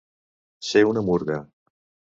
Ser una murga.